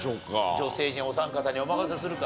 女性陣お三方にお任せするか。